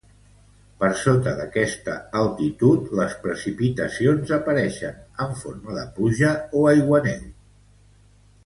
Per sota d'aquesta altitud les precipitacions apareixen en forma de pluja o aiguaneu.